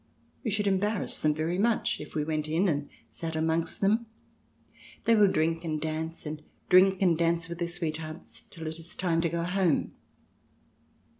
" We should embarrass them very much if we went in and sat amongst them. They will drink and dance, and drink and dance with their sweethearts till it is time to go home."